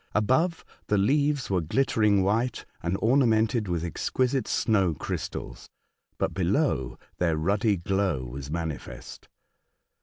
Above, the leaves were glittering white and ornamented with exquisite snow crystals ; but below, their ruddy glow was manifest.